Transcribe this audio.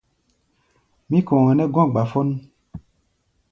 Mí kɔ̧ɔ̧ nɛ́ gɔ̧́ gbafón.